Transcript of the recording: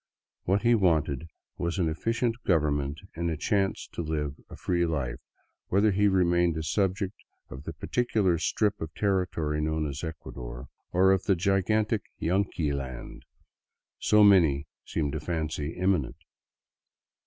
What he wanted was an efficient government and a chance to live a free life, whether he remained a subject of the particular strip of territory known as Ecuador, or of the gigantic " Yanqui land " so many seemed to fancy imminent.